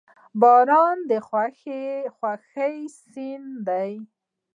• باران د خوښۍ سندره ده.